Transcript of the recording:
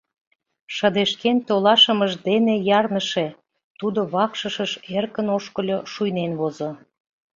Шыдешкен толашымыж дене ярныше, тудо вакшышыш эркын ошкыльо, шуйнен возо.